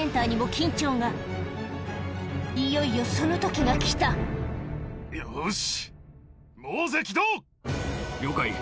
いよいよその時が来たよし。